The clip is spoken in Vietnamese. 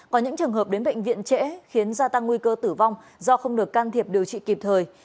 có những trường hợp đến bệnh viện trễ khiến gia tăng nguy cơ tử vong do không được can thiệp điều trị kịp thời